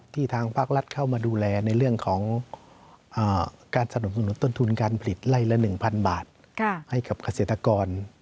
ทางภาครัฐเข้ามาดูแลในเรื่องของการสนับสนุนต้นทุนการผลิตไล่ละ๑๐๐บาทให้กับเกษตรกร